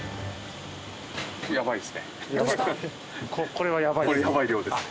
これはやばいですか？